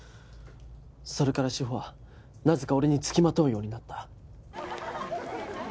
それから志法はなぜか俺に付きまとうようになった。